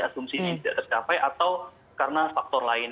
asumsi ini tidak tercapai atau karena faktor lain